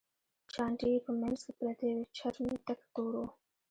چانټې یې په منځ کې پرتې وې، چرم یې تک تور و.